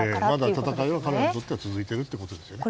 戦いはずっと続いているということですよね。